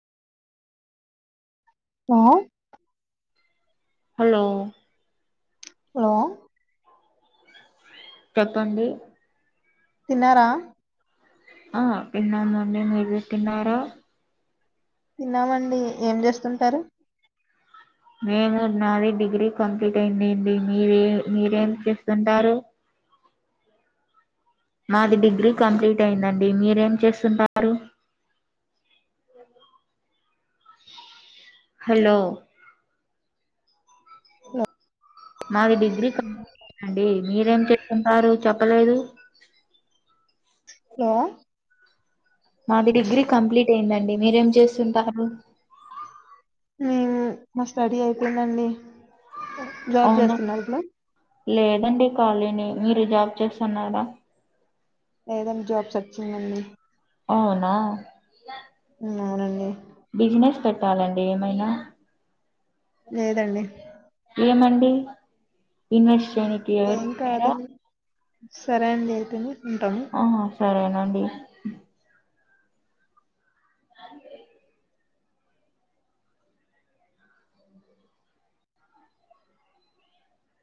ఆ hello hello చెప్పండి తిన్నారా ఆ తిన్నానండి మీరు తిన్నారా తిన్నామండి ఏం చేస్తుంటారు మేము నాది డిగ్రీ కంప్లీట్ అయిందంది మీరే మీరేం చేస్తుంటారు మాది డిగ్రీ కంప్లీట్ అయిందండి మీరేం చేస్తుంటారు హలో హలో మాది డిగ్రీ కంప్లీట్ అండి మీరేం చేస్తుంటారు చెప్పలేదు హలో మాది డిగ్రీ కంప్లీట్ అయిందండి మీరేం చేస్తుంటారు మేము మా స్టడీ అయిపోయిందండి జాబ్ అవునా చేస్తున్నారు ఇప్పుడు లేదండి కాలీనే మీరు జాబ్ చేస్తున్నారా లేదండి జాబ్ సర్చింగ్ అండి అవునా అవునండి బిజినెస్ పెట్టాలండి ఏమైనా లేదండి ఏమండి ఇన్వెస్ట్ చేయనీకి ఎవరు ఏం లేరా కాదని సరే అండి అయితేనే ఉంటాను ఓ అంతే